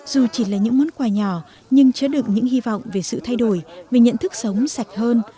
dù chỉ là những món quà nhỏ nhưng chứa được những hy vọng về sự thay đổi về nhận thức sống sạch hơn